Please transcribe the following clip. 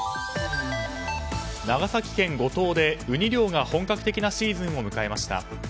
長崎県五島でウニ漁が本格的なシーズンを迎えました。